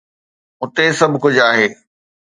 اتي سڀ ڪجهه آهي.